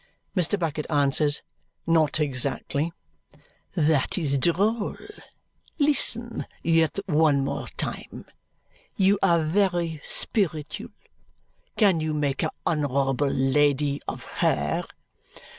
Mr. Bucket answers, "Not exactly." "That is droll. Listen yet one time. You are very spiritual. Can you make a honourable lady of her?"